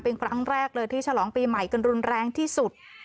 เป็นครั้งแรกเลยที่ฉลองปีใหม่กันรุนแรงที่สุด